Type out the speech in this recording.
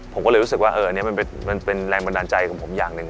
ผมก็เลยรู้สึกว่าอันนี้มันเป็นแรงบันดาลใจของผมอย่างหนึ่ง